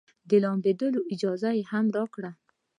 د لامبېدلو اجازه يې هم راکړه.